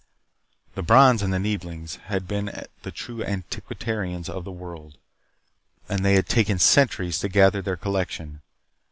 The Brons and the Neeblings had been the true antiquarians of the world. And they had taken centuries to gather their collection.